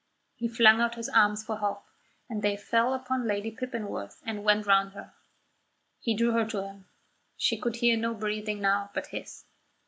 He flung out his arms for help, and they fell upon Lady Pippinworth and went round her. He drew her to him. She could hear no breathing now but his.